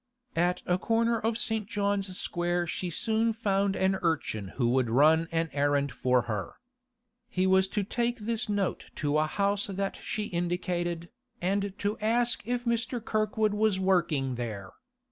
At a corner of St. John's Square she soon found an urchin who would run an errand for her. He was to take this note to a house that she indicated, and to ask if Mr. Kirkwood was working there.